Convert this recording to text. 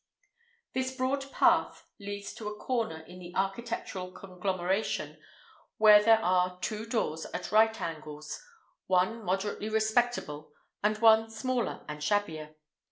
This broad path leads to a corner in the architectural conglomeration where there are two doors at right angles—one moderately respectable and one smaller and shabbier.